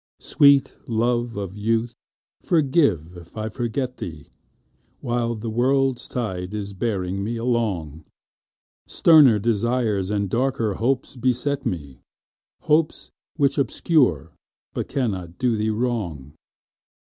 Sweet love of youth, forgive if I forget thee While the world's tide is bearing me along; Sterner desires and darker hopes beset me, Hopes which obscure but cannot do thee wrong.